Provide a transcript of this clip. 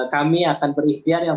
kami akan berikhtiar yang